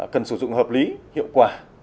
cần sử dụng hợp lý hiệu quả